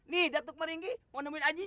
nih datuk meringgi mau nemuin ajijang